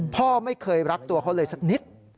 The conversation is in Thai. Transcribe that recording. พ่อไม่เคยรักตัวเขาเลยสักนิด